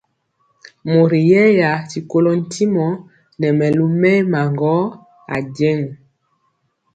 Mori yɛɛya ti kolɔ ntimɔ nɛ mɛlu mɛɛma gɔ ajeŋg.